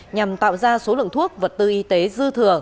nhằm tạo ra số lượng thuốc vật tư y tế dư thừa